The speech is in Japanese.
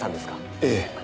ええ。